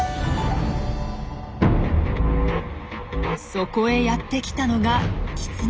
そこへやって来たのがキツネ。